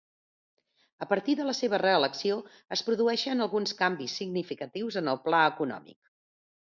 A partir de la seva reelecció, es produeixen alguns canvis significatius en el pla econòmic.